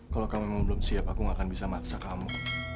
kalau kamu belum siap aku nggak bisa maksa kamu